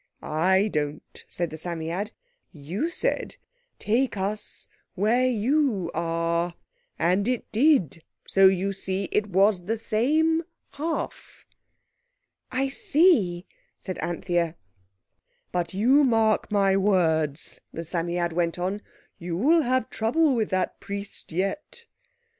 "I don't," said the Psammead. "You said, 'Take us where you are'—and it did, so you see it was the same half." "I see," said Anthea. "But you mark my words," the Psammead went on, "you'll have trouble with that Priest yet."